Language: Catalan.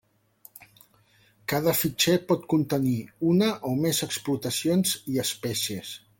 Cada fitxer pot contenir una o més explotacions i espècies.